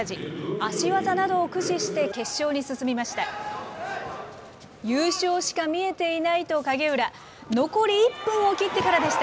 足技などを駆使して、決勝に進みました。